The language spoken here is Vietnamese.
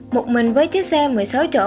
một mình với chiếc xe một mươi sáu chỗ